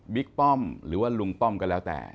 ป้อมหรือว่าลุงป้อมก็แล้วแต่